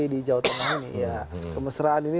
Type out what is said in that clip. di jawa tengah ini ya kemesraan ini